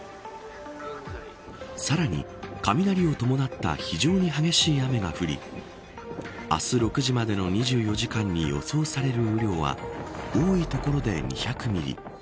さらに、雷を伴った非常に激しい雨が降り明日６時までの２４時間に予想される雨量は多い所で２００ミリ。